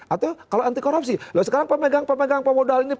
atau kalau anti korupsi loh sekarang pemegang pemegang pemodal ini